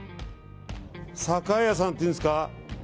栄屋さんっていうんですか。